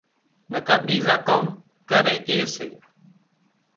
نڪا ٻيزان ڪام ڪري ڪي سي